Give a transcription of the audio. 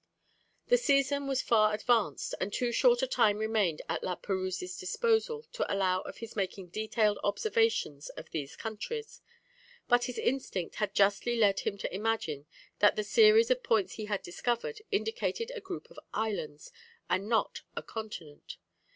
The season was far advanced, and too short a time remained at La Perouse's disposal to allow of his making detailed observations of these countries; but his instinct had justly led him to imagine that the series of points he had discovered indicated a group of islands, and not a continent.